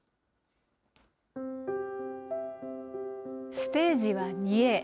ステージは２Ａ。